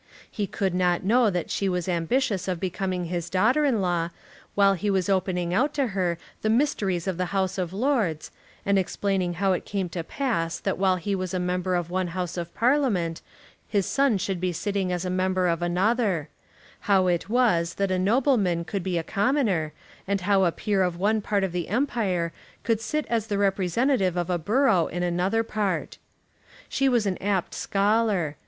He could not know that she was ambitious of becoming his daughter in law, while he was opening out to her the mysteries of the House of Lords, and explaining how it came to pass that while he was a member of one House of Parliament, his son should be sitting as a member of another; how it was that a nobleman could be a commoner, and how a peer of one part of the Empire could sit as the representative of a borough in another part. She was an apt scholar.